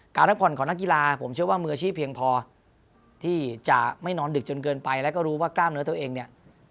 รับผ่อนของนักกีฬาผมเชื่อว่ามืออาชีพเพียงพอที่จะไม่นอนดึกจนเกินไปแล้วก็รู้ว่ากล้ามเนื้อตัวเองเนี่ย